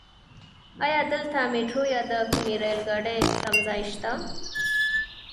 ايا دلته ميټرو يا د کومې رايل ګاډی تمځای شته؟